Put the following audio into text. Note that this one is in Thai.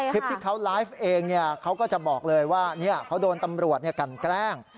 คลิปที่เค้าไลฟ์เองเนี่ยเค้าก็จะบอกเลยว่าเค้าโดนตำรวจเนี่ยกันแกล้ง